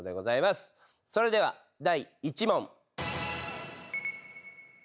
それでは第１問。